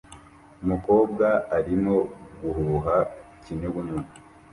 Umukobwa arimo guhuha ikinyugunyugu